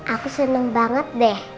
aku seneng banget deh